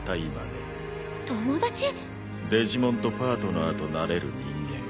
デジモンとパートナーとなれる人間。